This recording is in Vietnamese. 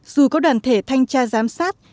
dù có đoàn thể thanh tra giám sát